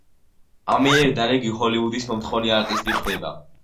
ამიერიდან იგი ჰოლივუდის მომთხოვნი არტისტი ხდება.